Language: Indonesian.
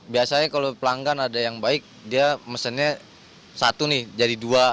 biasanya kalau pelanggan ada yang baik dia mesennya satu nih jadi dua